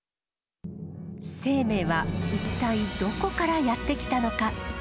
生命は一体どこからやって来たのか。